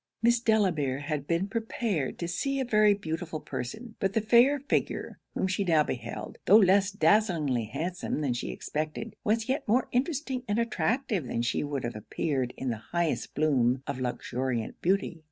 Miss Delamere had been prepared to see a very beautiful person: but the fair figure whom she now beheld, though less dazlingly handsome than she expected, was yet more interesting and attractive than she would have appeared in the highest bloom of luxuriant beauty.